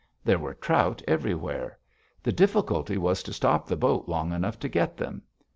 There were trout everywhere. The difficulty was to stop the boat long enough to get them.